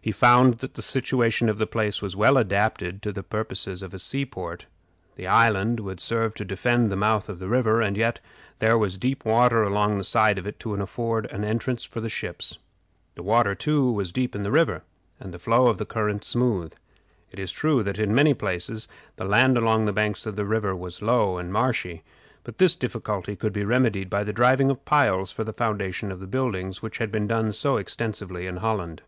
He found that the situation of the place was well adapted to the purposes of a sea port. The island would serve to defend the mouth of the river, and yet there was deep water along the side of it to afford an entrance for ships. The water, too, was deep in the river, and the flow of the current smooth. It is true that in many places the land along the banks of the river was low and marshy, but this difficulty could be remedied by the driving of piles for the foundation of the buildings, which had been done so extensively in Holland.